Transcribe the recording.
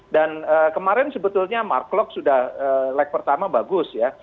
dan kemarin sebetulnya mark klok sudah lag pertama bagus ya